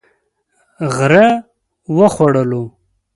غره و خوړلو.